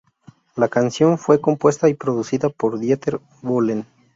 La canción fue compuesta y producida por Dieter Bohlen.